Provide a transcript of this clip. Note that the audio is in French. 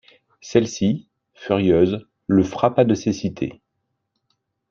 Celle-ci, furieuse, le frappa de cécité.